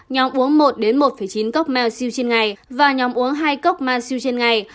nhóm uống một đến một chín cốc malsu trên ngày và nhóm uống hai cốc malsu trên ngày